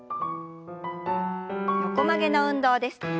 横曲げの運動です。